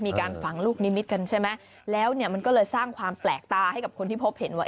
มีการฝังลูกนิมิตกันใช่ไหมแล้วเนี่ยมันก็เลยสร้างความแปลกตาให้กับคนที่พบเห็นว่า